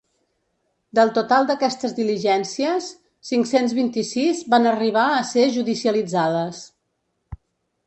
Del total d’aquestes diligències, cinc-cents vint-i-sis van arribar a ser judicialitzades.